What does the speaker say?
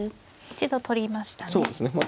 一度取りましたね。